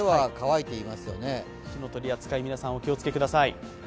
火の取り扱い、皆さんお気をつけください。